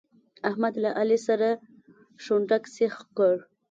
احمد له علي سره شونډک سيخ کړ.